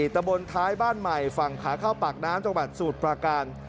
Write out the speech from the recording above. ตะบลท้ายบ้านใหม่ฝั่งขาเข้าปากน้ำจากบัตรสูตรประการ